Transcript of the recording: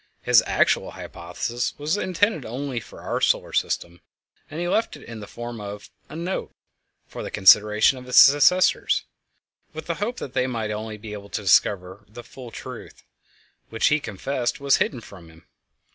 His actual hypothesis was intended only for our solar system, and he left it in the form of a "note" for the consideration of his successors, with the hope that they might be able to discover the full truth, which he confessed was hidden from him.